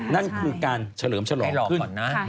นั่นคือการเฉลิมฉลองขึ้น